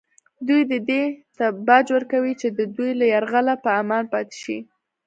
دوی دې ته باج ورکوي چې د دوی له یرغله په امان پاتې شي